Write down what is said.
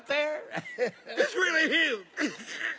アハハ。